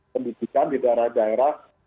pendidikan di daerah daerah